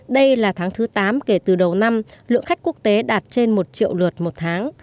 đây là tháng thứ tám kể từ đầu năm lượng khách quốc tế đạt trên một triệu lượt một tháng